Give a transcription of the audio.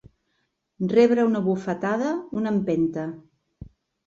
Rebre una bufetada, una empenta.